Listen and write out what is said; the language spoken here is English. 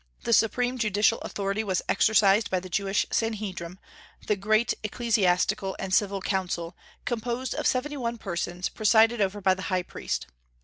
The supreme judicial authority was exercised by the Jewish Sanhedrim, the great ecclesiastical and civil council, composed of seventy one persons presided over by the high priest.